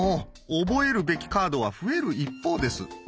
覚えるべきカードは増える一方です。